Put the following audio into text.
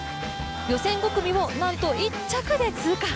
予選５組をなんと１着で通過。